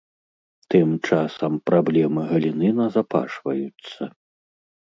Тым часам праблемы галіны назапашваюцца.